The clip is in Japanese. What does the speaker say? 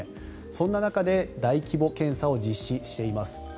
そんな中で大規模検査を実施しています。